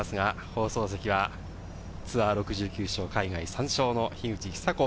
放送席はツアー６９勝、海外３勝の樋口久子